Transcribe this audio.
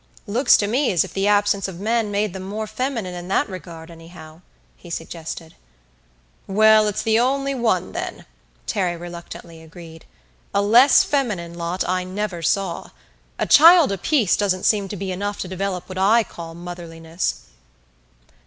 "Looks to me as if the absence of men made them more feminine in that regard, anyhow," he suggested. "Well, it's the only one then," Terry reluctantly agreed. "A less feminine lot I never saw. A child apiece doesn't seem to be enough to develop what I call motherliness."